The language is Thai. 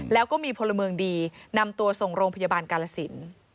แล้วก็มีพลเมืองดีนำตัวส่งโรงพยาบาลกาลสิน